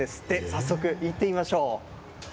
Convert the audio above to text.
早速行ってみましょう。